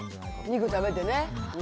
肉食べてね。